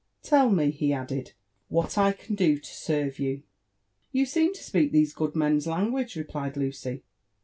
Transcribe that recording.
"Tell me," he added, "what I can do to serve you*' "You seem to speak these good men's language," replied Lucy.